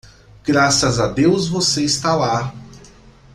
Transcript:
Graças a Deus você está lá!